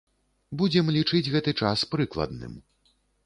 Будзем лічыць гэты час прыкладным.